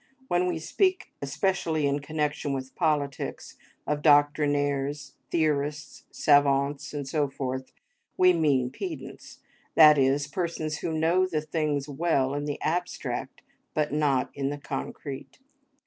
When we speak, especially in connection with politics, of doctrinaires, theorists, savants, and so forth, we mean pedants, that is, persons who know the things well in the abstract, but not in the concrete.